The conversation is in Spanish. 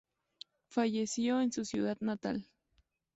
Falleció en su ciudad natal.